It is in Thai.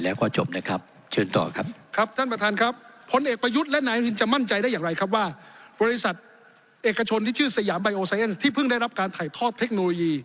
ด้วยเคุณลุนาไม่เป็นไรครับห้ีเบนไม่เป็น